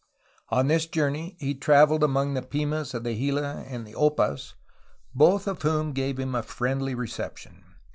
On this journey he traveled among the Pimas of the Gila and the Opas, both of whom gave him a friendly reception.